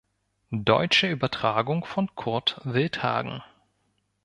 Deutsche Übertragung von Kurt Wildhagen.